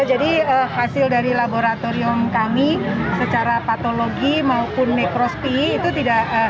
jadi hasil dari laboratorium kami secara patologi maupun nekrospi itu tidak